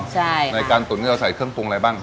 ใช่ในการตุ๋นนี้เราใส่เครื่องปรุงอะไรบ้าง